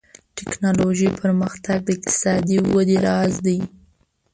ټکنالوژي پرمختګ د اقتصادي ودې راز دی.